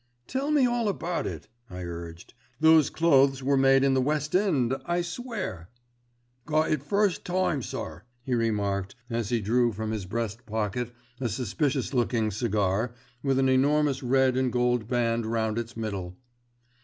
"Tell me all about it," I urged. "Those clothes were made in the West End, I swear." "Got it first time, sir," he remarked, as he drew from his breast pocket a suspicious looking cigar with an enormous red and gold band round its middle.